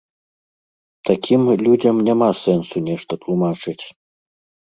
Такім людзям няма сэнсу нешта тлумачыць.